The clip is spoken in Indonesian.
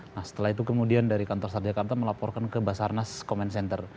nah setelah itu kemudian dari kantor sarjakarta melaporkan ke basarnas command center